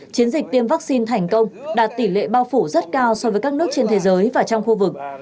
chiến dịch tiêm vaccine thành công đạt tỷ lệ bao phủ rất cao so với các nước trên thế giới và trong khu vực